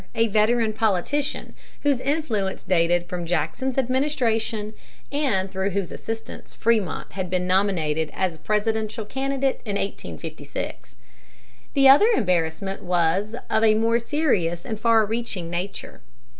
a veteran politician whose influence dated from Jackson's administration, and through whose assistance Frémont had been nominated as presidential candidate in 1856. The other embarrassment was of a more serious and far reaching nature.